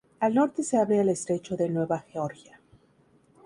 Al norte se abre al estrecho de Nueva Georgia.